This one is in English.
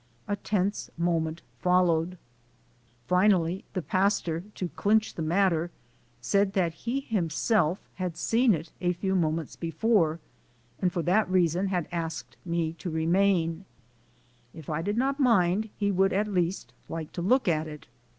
A tense moment followed. Finally the pastor, to clinch the matter, said that he himself had seen it a few moments before, and for that reason had asked MY AMERICAN EDUCATION 165 me to remain. If I did not mind, he would at least like to look at it.